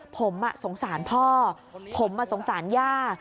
ผมสงสารพ่อผมสงสารย่า